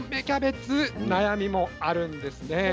キャベツ悩みもあるんですね。